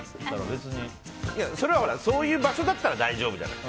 それはそういう場所だったら大丈夫じゃない。